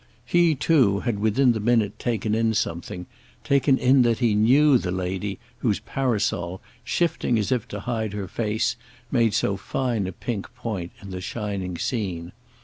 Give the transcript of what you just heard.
He too had within the minute taken in something, taken in that he knew the lady whose parasol, shifting as if to hide her face, made so fine a pink point in the shining scene.